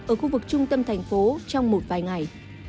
ở khu vực trung tâm thành phố trong một vài ngày